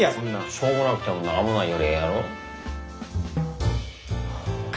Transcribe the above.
しょうもなくても何もないよりええやろ？